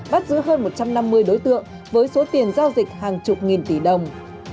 cá độ bóng đá bắt giữ hơn một trăm năm mươi đối tượng với số tiền giao dịch hàng chục nghìn tỷ đồng